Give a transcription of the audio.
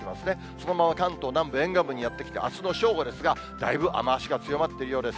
そのまま関東南部、沿岸部にやって来て、あすの正午ですが、だいぶ雨足が強まっているようです。